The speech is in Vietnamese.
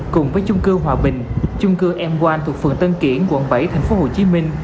cùng với chung cư hòa bình chung cư m một thuộc phường tân kiển quận bảy thành phố hồ chí minh